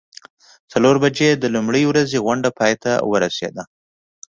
څلور بجې د لومړۍ ورځې غونډه پای ته ورسیده.